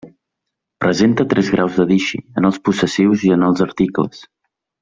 Presenta tres graus de dixi en els possessius i els articles.